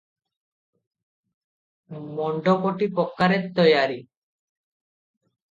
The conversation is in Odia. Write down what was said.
ମଣ୍ଡପଟି ପକ୍କାରେ ତୟାରି ।